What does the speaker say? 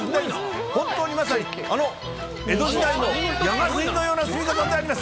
本当にまさに、江戸時代ののような積み方であります。